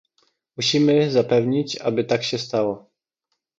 Musimy zapewnić, aby tak się stało